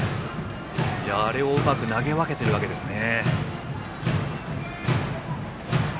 あれをうまく投げ分けているわけですね。